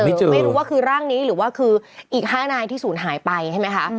ไม่รู้ว่าคือร่างนี้หรือว่าคืออีก๕นายที่ศูนย์หายไปใช่ไหมคะ